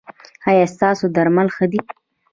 ایا ستاسو درمل ښه دي؟